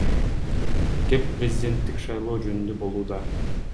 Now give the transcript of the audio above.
Кеп президенттик шайлоо жөнүндө болууда.